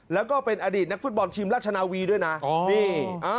แล้วก็เป็นอดีตนักฟุตบอลทีมราชนาวีด้วยนะนี่